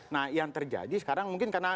nah yang terjadi sekarang mungkin karena